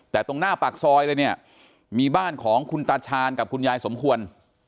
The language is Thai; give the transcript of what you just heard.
แต่ตรงหน้าปากซอยเลยเนี่ยมีบ้านของคุณตาชาญกับคุณยายสมควร